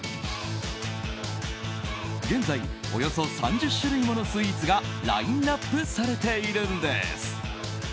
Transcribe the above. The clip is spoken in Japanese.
現在、およそ３０種類ものスイーツがラインアップされているんです。